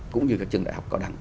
cũng như các trường đại học cao đẳng